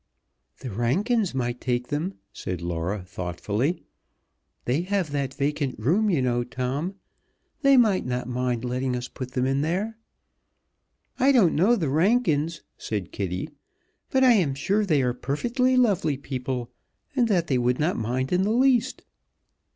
"The Rankins might take them," said Laura, thoughtfully. "They have that vacant room, you know, Tom. They might not mind letting us put them in there." "I don't know the Rankins," said Kitty, "but I am sure they are perfectly lovely people, and that they would not mind in the least."